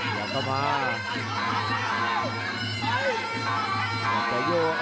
อยากต้องมา